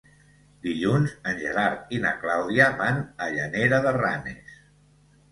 Dilluns en Gerard i na Clàudia van a Llanera de Ranes.